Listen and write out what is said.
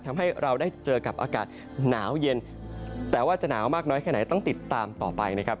ทำให้เราได้เจอกับอากาศหนาวเย็นแต่ว่าจะหนาวมากน้อยแค่ไหนต้องติดตามต่อไปนะครับ